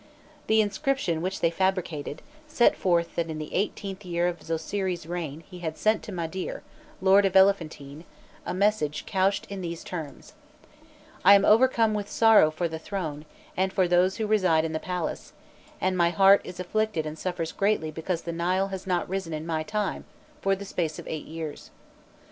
The inscription which they fabricated, set forth that in the eighteenth year of Zosiri's reign he had sent to Madîr, lord of Elephantine, a message couched in these terms: "I am overcome with sorrow for the throne, and for those who reside in the palace, and my heart is afflicted and suffers greatly because the Nile has not risen in my time, for the space of eight years.